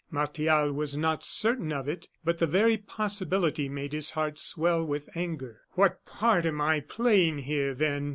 Martial was not certain of it, but the very possibility made his heart swell with anger. "What part am I playing here, then?"